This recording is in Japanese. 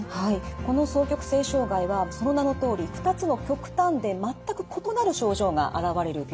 この双極性障害はその名のとおり２つの極端で全く異なる症状が現れる病気です。